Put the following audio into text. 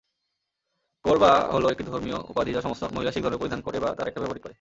কৌর বা হলো একটি ধর্মীয় উপাধি যা সমস্ত মহিলা শিখ ধর্মের পরিধান করে বা তার এটা ব্যবহারিক করে।